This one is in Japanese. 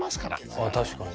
ああ確かに。